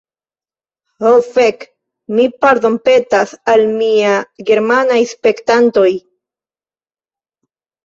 Ho fek'... mi pardonpetas al mia germanaj spektantoj!